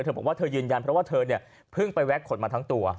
บอกว่าเธอยืนยันเพราะว่าเธอเนี่ยเพิ่งไปแวะขนมาทั้งตัว